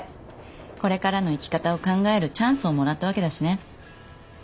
これからの生き方を考えるチャンスをもらったわけだしね。